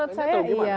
menurut saya iya